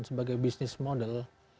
sebagai bisnis model